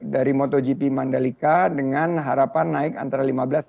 dari motogp mandalika dengan harapan naik antara lima belas